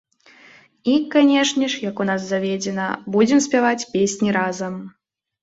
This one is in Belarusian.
І, канешне ж, як у нас заведзена, будзем спяваць песні разам.